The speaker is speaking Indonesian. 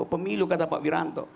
pemilu kata pak wiranto